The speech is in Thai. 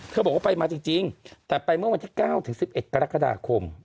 ท่านบอกว่าไปมาจริงจริงแต่ไปเมื่อวันที่เก้าถึงสิบเอ็ดกรกฎาคม